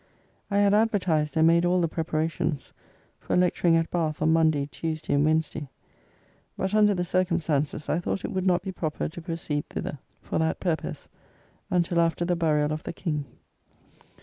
I had advertised, and made all the preparations, for lecturing at Bath on Monday, Tuesday, and Wednesday; but, under the circumstances, I thought it would not be proper to proceed thither, for that purpose, until after the burial of the King.